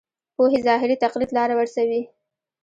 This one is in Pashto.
پوهې ظاهري تقلید لاره ورسوي.